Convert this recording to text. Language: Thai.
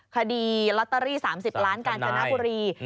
คดีลอตเตอรี่๓๐ล้านกาญจนบุรี